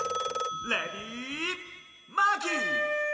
レディマーキー！